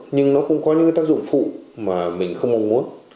nhưng nó cũng có những tác dụng phụ mà mình không mong muốn